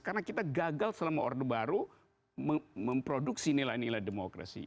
karena kita gagal selama orde baru memproduksi nilai nilai demokrasi